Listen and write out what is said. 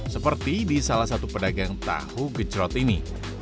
seperti di salah satu pedagang tahu gecrot ini